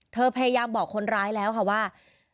พยายามบอกคนร้ายแล้วค่ะว่า